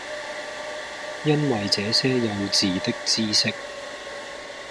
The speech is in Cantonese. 因爲這些幼稚的知識，